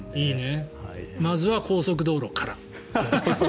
まずは高速道路から。